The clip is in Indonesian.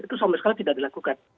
itu sama sekali tidak dilakukan